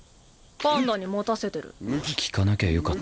パンダに持たせてる。